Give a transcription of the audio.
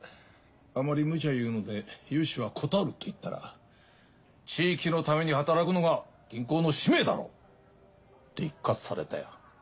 あまりムチャ言うので融資は断ると言ったら地域のために働くのが銀行の使命だろ！って一喝されたよ。